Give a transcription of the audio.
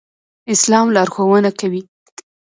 اسلام لارښوونه کوي